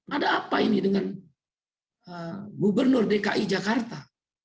ada apa ini dengan gubernur dki jakarta